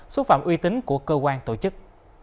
xúc phạm uy tín của cơ quan tổ chức